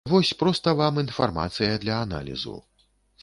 Вось проста вам інфармацыя для аналізу.